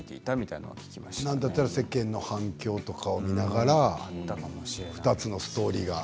なんだったら世間の反響とかを見ながら２つのストーリーが。